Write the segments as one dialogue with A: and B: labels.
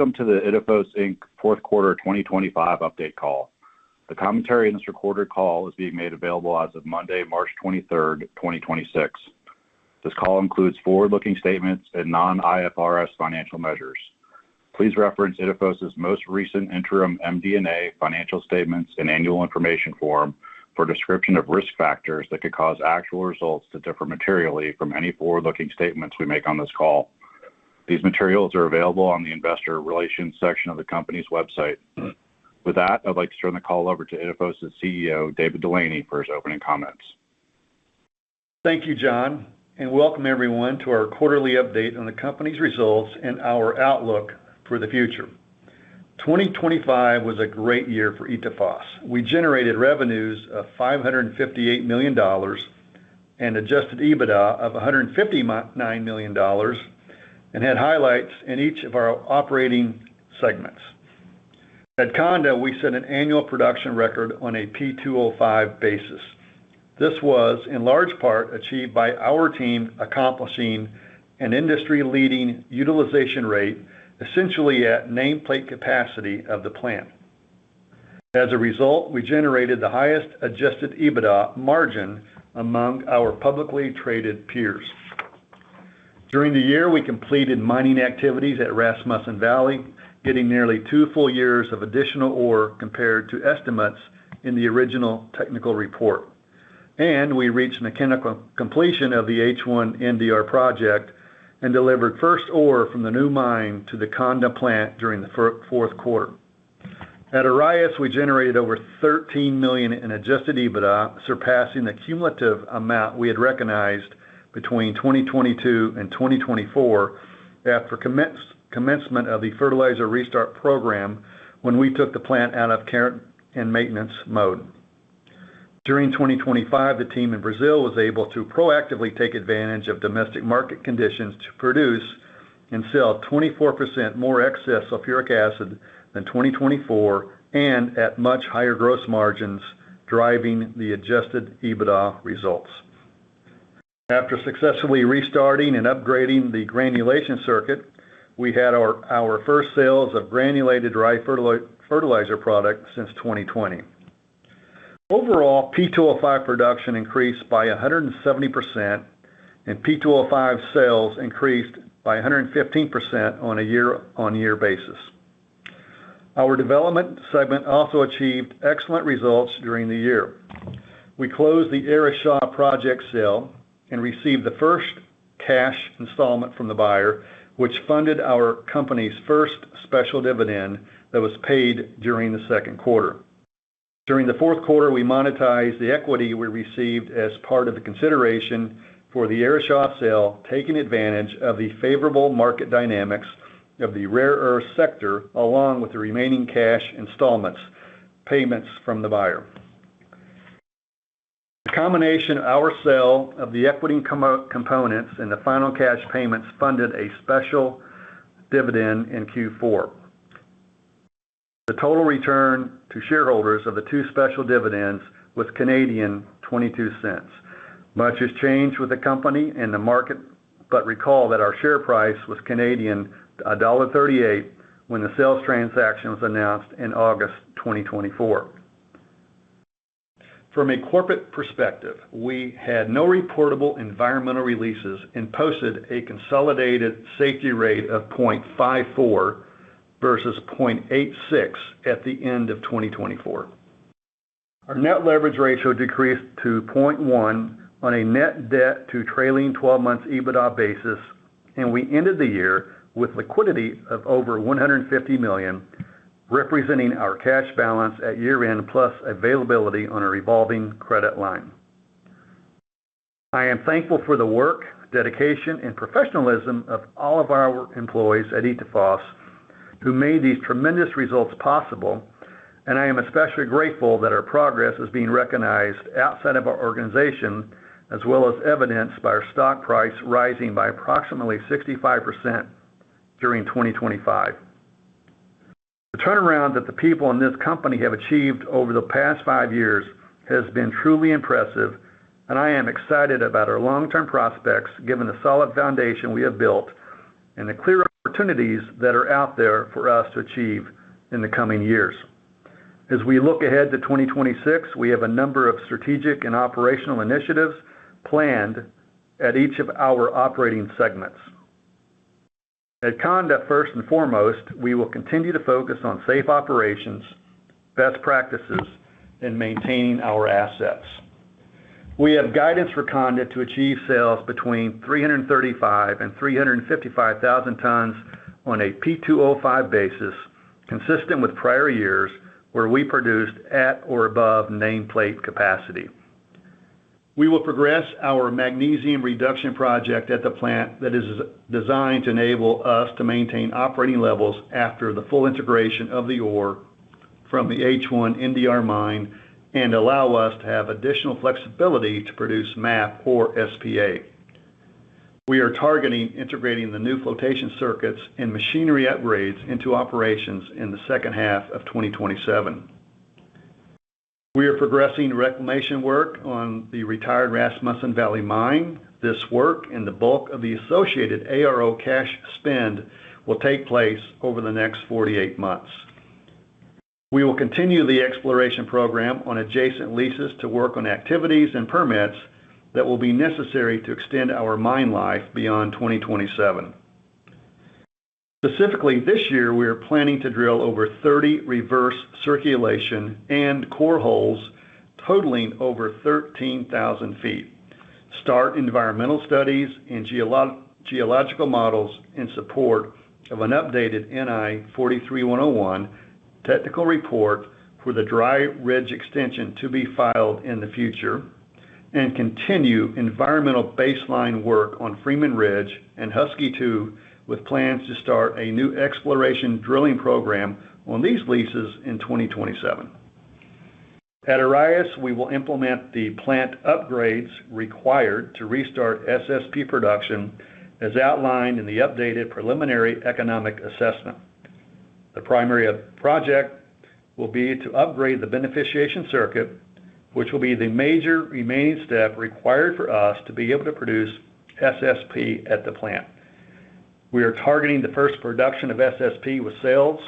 A: Welcome to the Itafos Inc. Fourth Quarter 2025 Update Call. The commentary in this recorded call is being made available as of Monday, March 23, 2026. This call includes forward-looking statements and non-IFRS financial measures. Please reference Itafos' most recent interim MD&A financial statements and annual information form for description of risk factors that could cause actual results to differ materially from any forward-looking statements we make on this call. These materials are available on the investor relations section of the company's website. With that, I'd like to turn the call over to Itafos' CEO, David Delaney, for his opening comments.
B: Thank you, John, and welcome everyone to our quarterly update on the company's results and our outlook for the future. 2025 was a great year for Itafos. We generated revenues of $558 million and adjusted EBITDA of $159 million and had highlights in each of our operating segments. At Conda, we set an annual production record on a P2O5 basis. This was in large part achieved by our team accomplishing an industry-leading utilization rate, essentially at nameplate capacity of the plant. As a result, we generated the highest adjusted EBITDA margin among our publicly traded peers. During the year, we completed mining activities at Rasmussen Valley, getting nearly two full years of additional ore compared to estimates in the original technical report. We reached mechanical completion of the H1/NDR project and delivered first ore from the new mine to the Conda plant during the fourth quarter. At Arraias, we generated over $13 million in adjusted EBITDA, surpassing the cumulative amount we had recognized between 2022 and 2024 after commencement of the fertilizer restart program when we took the plant out of care and maintenance mode. During 2025, the team in Brazil was able to proactively take advantage of domestic market conditions to produce and sell 24% more excess sulfuric acid than 2024 and at much higher gross margins, driving the adjusted EBITDA results. After successfully restarting and upgrading the granulation circuit, we had our first sales of granulated dry fertilizer products since 2020. Overall, P2O5 production increased by 170% and P2O5 sales increased by 115% on a year-on-year basis. Our development segment also achieved excellent results during the year. We closed the Araxá project sale and received the first cash installment from the buyer, which funded our company's first special dividend that was paid during the second quarter. During the fourth quarter, we monetized the equity we received as part of the consideration for the Araxá sale, taking advantage of the favorable market dynamics of the rare earth sector, along with the remaining cash installments payments from the buyer. The combination of our sale of the equity components and the final cash payments funded a special dividend in Q4. The total return to shareholders of the two special dividends was 0.22. Much has changed with the company and the market, but recall that our share price was 1.38 Canadian dollars when the sales transaction was announced in August 2024. From a corporate perspective, we had no reportable environmental releases and posted a consolidated safety rate of 0.54 versus 0.86 at the end of 2024. Our net leverage ratio decreased to 0.1 on a net debt to trailing 12-months EBITDA basis, and we ended the year with liquidity of over $150 million, representing our cash balance at year-end, plus availability on a revolving credit line. I am thankful for the work, dedication, and professionalism of all of our employees at Itafos who made these tremendous results possible, and I am especially grateful that our progress is being recognized outside of our organization, as well as evidenced by our stock price rising by approximately 65% during 2025. The turnaround that the people in this company have achieved over the past five years has been truly impressive, and I am excited about our long-term prospects, given the solid foundation we have built and the clear opportunities that are out there for us to achieve in the coming years. As we look ahead to 2026, we have a number of strategic and operational initiatives planned at each of our operating segments. At Conda, first and foremost, we will continue to focus on safe operations, best practices, and maintaining our assets. We have guidance for Conda to achieve sales between 335,000-355,000 tons on a P2O5 basis, consistent with prior years where we produced at or above nameplate capacity. We will progress our magnesium reduction project at the plant that is designed to enable us to maintain operating levels after the full integration of the ore from the H1/NDR mine and allow us to have additional flexibility to produce MAP or SPA. We are targeting integrating the new flotation circuits and machinery upgrades into operations in the second half of 2027. We are progressing reclamation work on the retired Rasmussen Valley mine. This work and the bulk of the associated ARO cash spend will take place over the next 48 months. We will continue the exploration program on adjacent leases to work on activities and permits that will be necessary to extend our mine life beyond 2027. Specifically this year, we are planning to drill over 30 reverse circulation and core holes totaling over 13,000 feet, start environmental studies and geological models in support of an updated NI 43-101 technical report for the Dry Ridge extension to be filed in the future, and continue environmental baseline work on Freeman Ridge and Husky 2 with plans to start a new exploration drilling program on these leases in 2027. At Arraias, we will implement the plant upgrades required to restart SSP production as outlined in the updated preliminary economic assessment. The primary focus of the project will be to upgrade the beneficiation circuit, which will be the major remaining step required for us to be able to produce SSP at the plant. We are targeting the first production of SSP with sales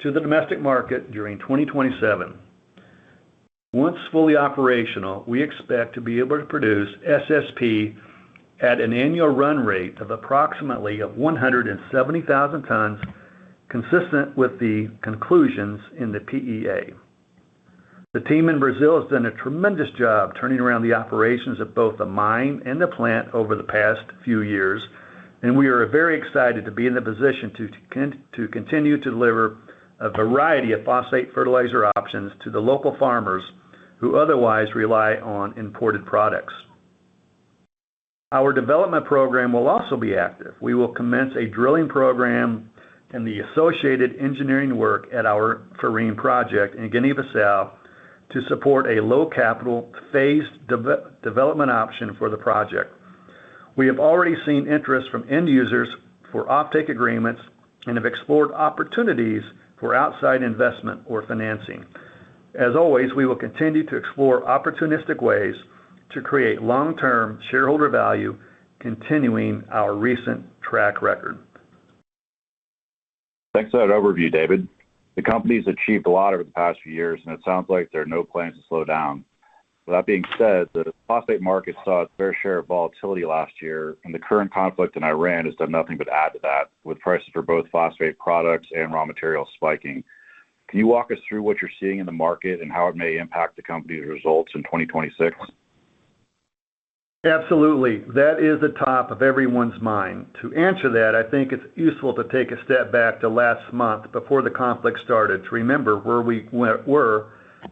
B: to the domestic market during 2027. Once fully operational, we expect to be able to produce SSP at an annual run rate of approximately 170,000 tons, consistent with the conclusions in the PEA. The team in Brazil has done a tremendous job turning around the operations of both the mine and the plant over the past few years, and we are very excited to be in the position to continue to deliver a variety of phosphate fertilizer options to the local farmers who otherwise rely on imported products. Our development program will also be active. We will commence a drilling program and the associated engineering work at our Farim project in Guinea-Bissau to support a low capital phased development option for the project. We have already seen interest from end users for offtake agreements and have explored opportunities for outside investment or financing. As always, we will continue to explore opportunistic ways to create long-term shareholder value, continuing our recent track record.
A: Thanks for that overview, David. The company's achieved a lot over the past few years, and it sounds like there are no plans to slow down. With that being said, the phosphate market saw its fair share of volatility last year, and the current conflict in Iran has done nothing but add to that, with prices for both phosphate products and raw materials spiking. Can you walk us through what you're seeing in the market and how it may impact the company's results in 2026?
B: Absolutely. That is the top of everyone's mind. To answer that, I think it's useful to take a step back to last month before the conflict started to remember where we were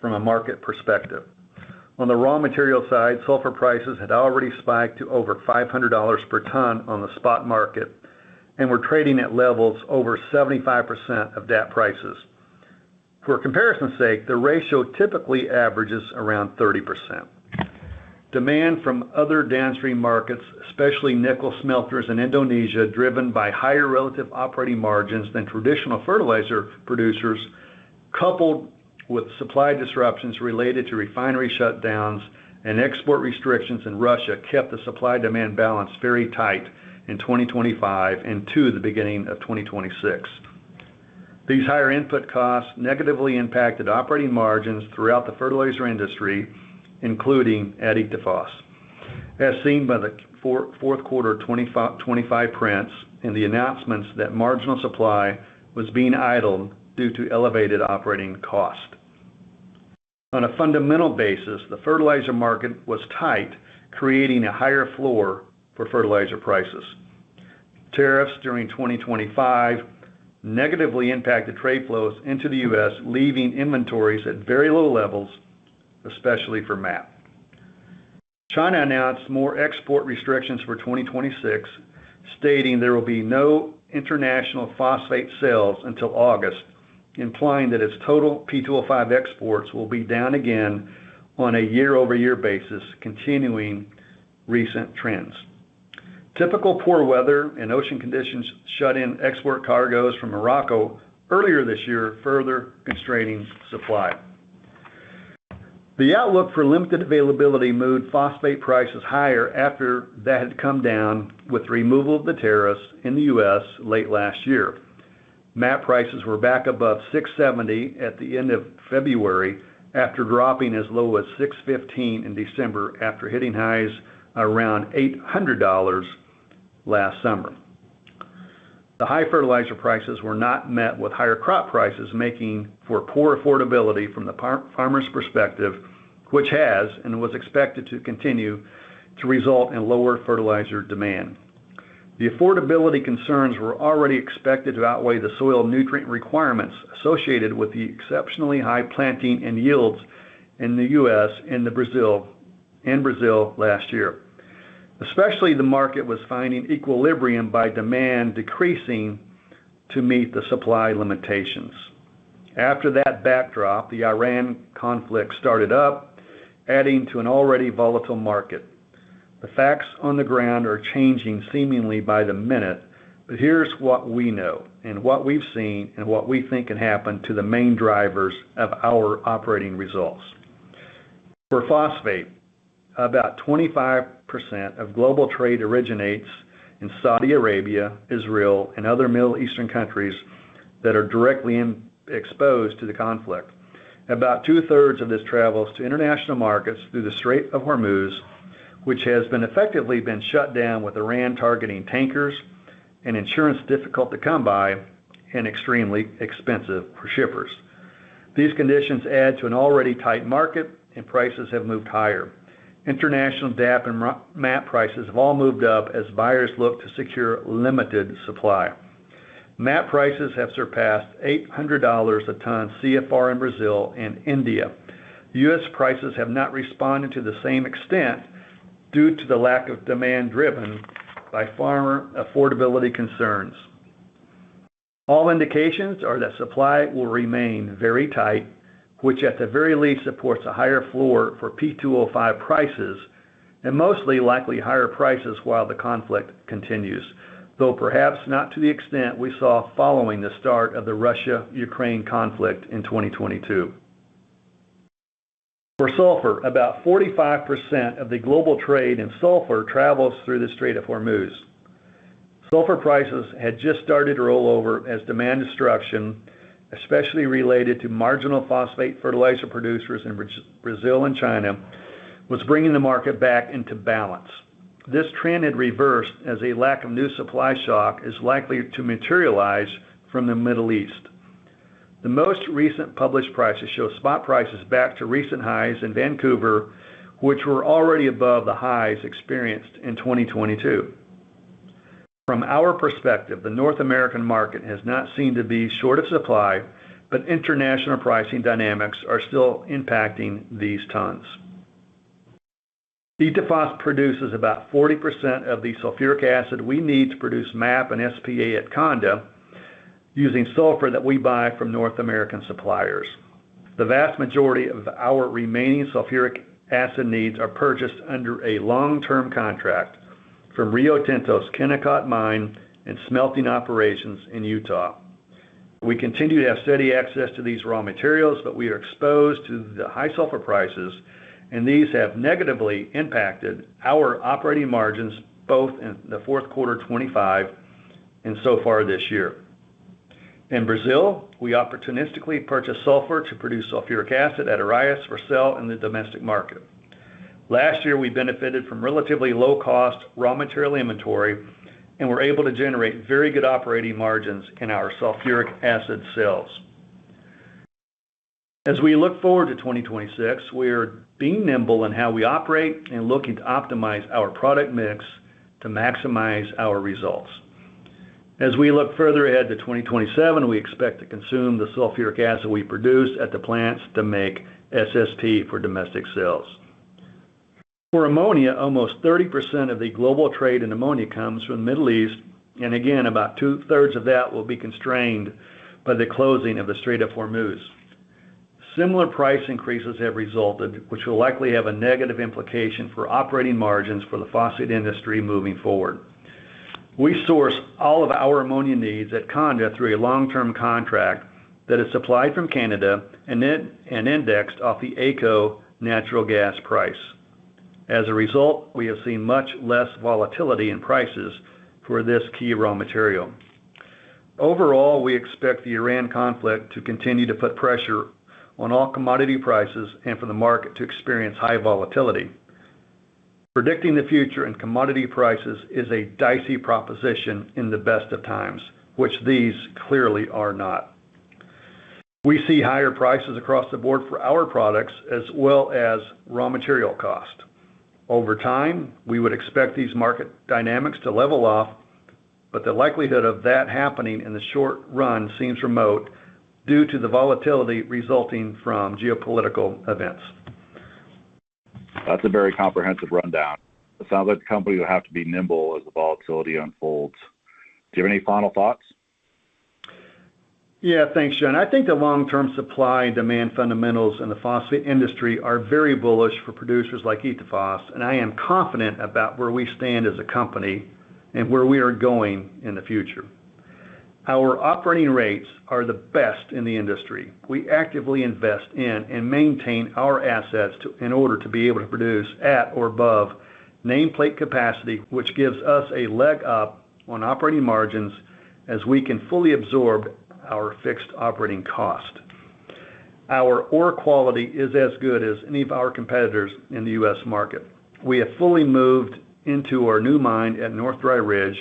B: from a market perspective. On the raw material side, sulfur prices had already spiked to over $500 per ton on the spot market and were trading at levels over 75% of DAP prices. For comparison's sake, the ratio typically averages around 30%. Demand from other downstream markets, especially nickel smelters in Indonesia, driven by higher relative operating margins than traditional fertilizer producers, coupled with supply disruptions related to refinery shutdowns and export restrictions in Russia, kept the supply-demand balance very tight in 2025 and to the beginning of 2026. These higher input costs negatively impacted operating margins throughout the fertilizer industry, including Itafos, as seen by the fourth quarter 2025 prints and the announcements that marginal supply was being idled due to elevated operating costs. On a fundamental basis, the fertilizer market was tight, creating a higher floor for fertilizer prices. Tariffs during 2025 negatively impacted trade flows into the U.S., leaving inventories at very low levels, especially for MAP. China announced more export restrictions for 2026, stating there will be no international phosphate sales until August, implying that its total P2O5 exports will be down again on a year-over-year basis, continuing recent trends. Typical poor weather and ocean conditions shut in export cargoes from Morocco earlier this year, further constraining supply. The outlook for limited availability moved phosphate prices higher after that had come down with removal of the tariffs in the U.S. late last year. MAP prices were back above $670 at the end of February after dropping as low as $615 in December after hitting highs around $800 last summer. The high fertilizer prices were not met with higher crop prices, making for poor affordability from the farmer's perspective, which has and was expected to continue to result in lower fertilizer demand. The affordability concerns were already expected to outweigh the soil nutrient requirements associated with the exceptionally high planting and yields in the U.S. and in Brazil last year. Especially the market was finding equilibrium by demand decreasing to meet the supply limitations. After that backdrop, the Iran conflict started up, adding to an already volatile market. The facts on the ground are changing seemingly by the minute. Here's what we know and what we've seen and what we think can happen to the main drivers of our operating results. For phosphate, about 25% of global trade originates in Saudi Arabia, Israel, and other Middle Eastern countries that are directly exposed to the conflict. About two-thirds of this travels to international markets through the Strait of Hormuz, which has been effectively shut down with Iran targeting tankers and insurance difficult to come by and extremely expensive for shippers. These conditions add to an already tight market, and prices have moved higher. International DAP and MAP prices have all moved up as buyers look to secure limited supply. MAP prices have surpassed $800 a ton CFR in Brazil and India. U.S. prices have not responded to the same extent due to the lack of demand driven by farmer affordability concerns. All indications are that supply will remain very tight, which at the very least supports a higher floor for P2O5 prices and most likely higher prices while the conflict continues, though perhaps not to the extent we saw following the start of the Russia-Ukraine conflict in 2022. For sulfur, about 45% of the global trade in sulfur travels through the Strait of Hormuz. Sulfur prices had just started to roll over as demand destruction, especially related to marginal phosphate fertilizer producers in Brazil and China, was bringing the market back into balance. This trend had reversed as a lack of new supply shock is likely to materialize from the Middle East. The most recent published prices show spot prices back to recent highs in Vancouver, which were already above the highs experienced in 2022. From our perspective, the North American market has not seemed to be short of supply, but international pricing dynamics are still impacting these tons. Itafos produces about 40% of the sulfuric acid we need to produce MAP and SPA at Conda using sulfur that we buy from North American suppliers. The vast majority of our remaining sulfuric acid needs are purchased under a long-term contract from Rio Tinto's Kennecott Mine and smelting operations in Utah. We continue to have steady access to these raw materials, but we are exposed to the high sulfur prices, and these have negatively impacted our operating margins, both in the fourth quarter 2025 and so far this year. In Brazil, we opportunistically purchase sulfur to produce sulfuric acid at Arraias for sale in the domestic market. Last year, we benefited from relatively low cost raw material inventory, and were able to generate very good operating margins in our sulfuric acid sales. As we look forward to 2026, we are being nimble in how we operate and looking to optimize our product mix to maximize our results. As we look further ahead to 2027, we expect to consume the sulfuric acid we produce at the plants to make SSP for domestic sales. For ammonia, almost 30% of the global trade in ammonia comes from the Middle East, and again, about two-thirds of that will be constrained by the closing of the Strait of Hormuz. Similar price increases have resulted, which will likely have a negative implication for operating margins for the phosphate industry moving forward. We source all of our ammonia needs at Conda through a long-term contract that is supplied from Canada and indexed off the AECO natural gas price. As a result, we have seen much less volatility in prices for this key raw material. Overall, we expect the Iran conflict to continue to put pressure on all commodity prices and for the market to experience high volatility. Predicting the future in commodity prices is a dicey proposition in the best of times, which these clearly are not. We see higher prices across the board for our products as well as raw material cost. Over time, we would expect these market dynamics to level off, but the likelihood of that happening in the short run seems remote due to the volatility resulting from geopolitical events.
A: That's a very comprehensive rundown. It sounds like the company will have to be nimble as the volatility unfolds. Do you have any final thoughts?
B: Yeah. Thanks, John. I think the long-term supply and demand fundamentals in the phosphate industry are very bullish for producers like Itafos, and I am confident about where we stand as a company and where we are going in the future. Our operating rates are the best in the industry. We actively invest in and maintain our assets in order to be able to produce at or above nameplate capacity, which gives us a leg up on operating margins as we can fully absorb our fixed operating cost. Our ore quality is as good as any of our competitors in the U.S. market. We have fully moved into our new mine at North Dry Ridge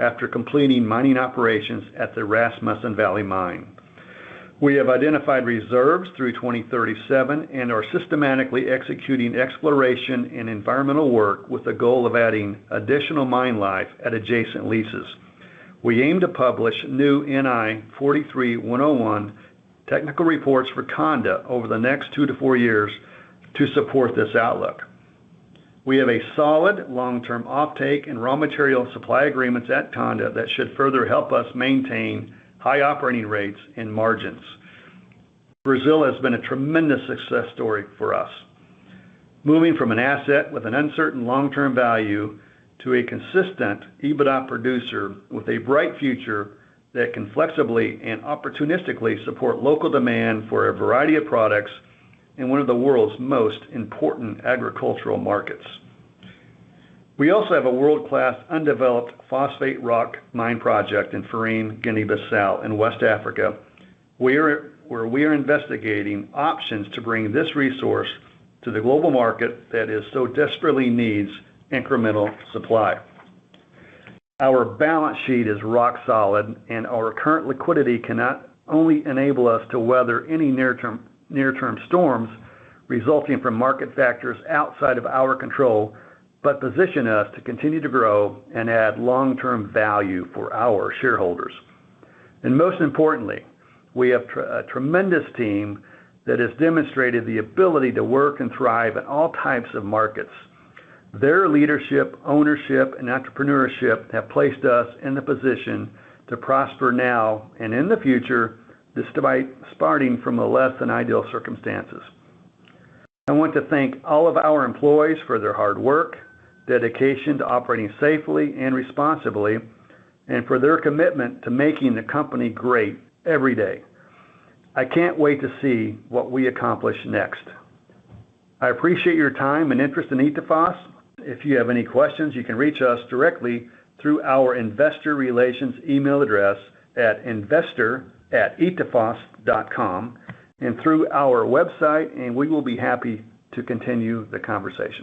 B: after completing mining operations at the Rasmussen Valley Mine. We have identified reserves through 2037 and are systematically executing exploration and environmental work with the goal of adding additional mine life at adjacent leases. We aim to publish new NI 43-101 technical reports for Conda over the next two to four years to support this outlook. We have a solid long-term offtake and raw material supply agreements at Conda that should further help us maintain high operating rates and margins. Brazil has been a tremendous success story for us, moving from an asset with an uncertain long-term value to a consistent EBITDA producer with a bright future that can flexibly and opportunistically support local demand for a variety of products in one of the world's most important agricultural markets. We also have a world-class undeveloped phosphate rock mine project in Farim, Guinea-Bissau in West Africa. We are investigating options to bring this resource to the global market that so desperately needs incremental supply. Our balance sheet is rock solid, and our current liquidity can not only enable us to weather any near-term storms resulting from market factors outside of our control, but position us to continue to grow and add long-term value for our shareholders. Most importantly, we have a tremendous team that has demonstrated the ability to work and thrive in all types of markets. Their leadership, ownership, and entrepreneurship have placed us in the position to prosper now and in the future, despite starting from a less than ideal circumstances. I want to thank all of our employees for their hard work, dedication to operating safely and responsibly, and for their commitment to making the company great every day. I can't wait to see what we accomplish next. I appreciate your time and interest in Itafos. If you have any questions, you can reach us directly through our investor relations email address at investor@itafos.com and through our website, and we will be happy to continue the conversation.